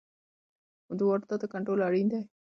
د وارداتو کنټرول اړین دی.